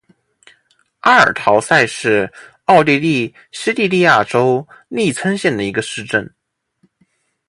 阿尔陶塞是奥地利施蒂利亚州利岑县的一个市镇。